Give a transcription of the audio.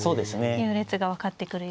優劣が分かってくるような。